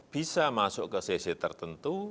bisa masuk ke sesi tertentu